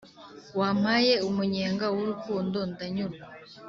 wampaye umunyenga w’urukundo ndanyurwa